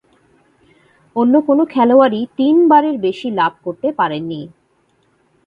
অন্য কোন খেলোয়াড়ই তিনবারের বেশি লাভ করতে পারেননি।